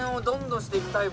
どんどんしていく。